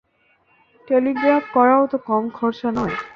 Telegraph করাও তো কম খরচা নয়।